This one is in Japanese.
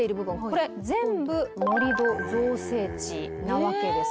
これ全部盛り土造成地なわけです